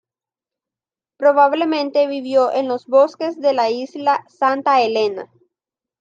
Probablemente vivió en los bosques de la isla Santa Elena.